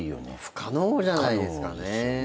不可能じゃないですかね。